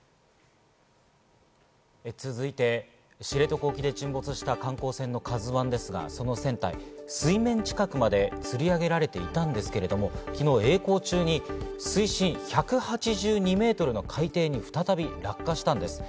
続いて知床沖で沈没した観光船の「ＫＡＺＵ１」ですが、その船体、水面近くまで吊り上げられていたんですけれども昨日、えい航中に水深１８２メートルの海底に再び落下したんです。